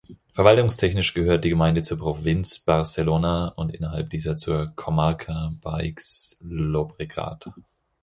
Verwaltungstechnisch gehört die Gemeinde zur Provinz Barcelona und innerhalb dieser zur Comarca Baix Llobregat.